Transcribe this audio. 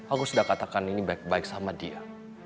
aku sudah katakan ini baik baik sama dia